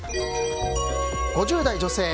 ５０代女性。